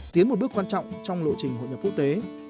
đây là một bước quan trọng trong lộ trình hội nhập quốc tế